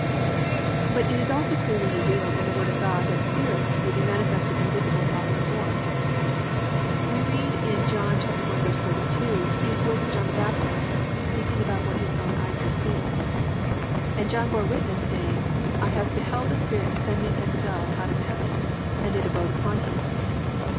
But it is also clearly revealed in the Word of God that "spirit" may be manifested in visible, bodily form. We read in John 1:32 these words of John the Baptist speaking about what his own eyes had seen: +"And John bore witness, saying, I have beheld the Spirit descending as a dove out of heaven; and it abode upon him."